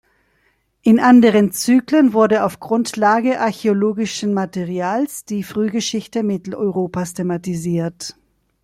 In anderen Zyklen wurde auf Grundlage archäologischen Materials die Frühgeschichte Mitteleuropas thematisiert.